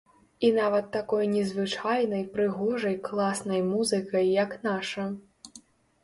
І нават такой незвычайнай, прыгожай, класнай музыкай, як наша.